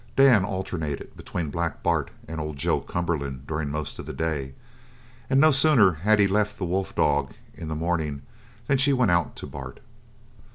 Dan alternated between Black Bart and old Joe Cumberland during most of the day, and no sooner had he left the wolf dog in the morning than she went out to Bart.